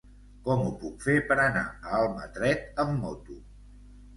Com ho puc fer per anar a Almatret amb moto?